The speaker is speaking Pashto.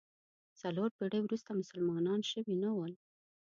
څلور پېړۍ وروسته مسلمانان شوي نه ول.